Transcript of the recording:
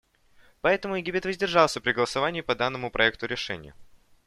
Поэтому Египет воздержался при голосовании по данному проекту решения.